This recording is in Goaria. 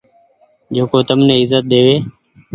جيڪو تم ني ايزت ۮيوي